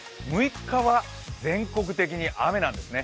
６日は全国的に雨なんですね。